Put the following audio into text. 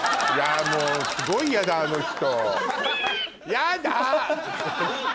もうすごいヤダあの人。